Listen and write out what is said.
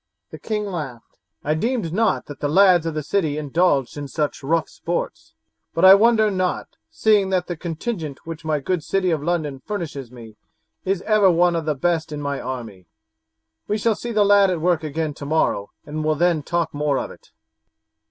The king laughed. "I deemed not that the lads of the city indulged in such rough sports; but I wonder not, seeing that the contingent which my good city of London furnishes me is ever one of the best in my army. We shall see the lad at work again tomorrow and will then talk more of it.